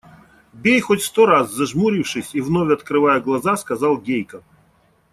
– Бей хоть сто раз, – зажмурившись и вновь открывая глаза, сказал Гейка.